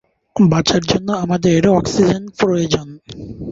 বাঁচার জন্য আমাদের অক্সিজেন প্রয়োজন।